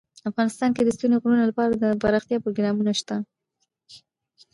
افغانستان کې د ستوني غرونه لپاره دپرمختیا پروګرامونه شته.